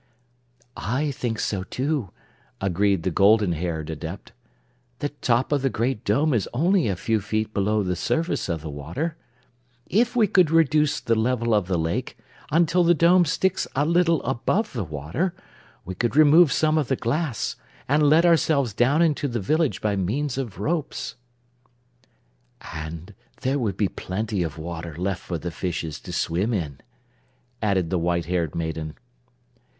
"I think so, too," agreed the golden haired Adept. "The top of the Great Dome is only a few feet below the surface of the water. If we could reduce the level of the lake until the Dome sticks a little above the water, we could remove some of the glass and let ourselves down into the village by means of ropes." "And there would be plenty of water left for the fishes to swim in," added the white haired maiden.